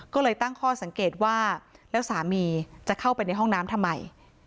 ก็เลยตั้งข้อสังเกตว่าแล้วสามีจะเข้าไปในห้องน้ำทำไม